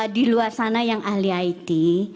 di luar sana yang ahli it